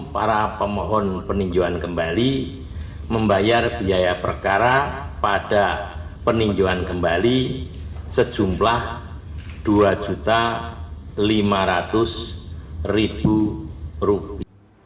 para pemohon peninjauan kembali membayar biaya perkara pada peninjauan kembali sejumlah rp dua lima ratus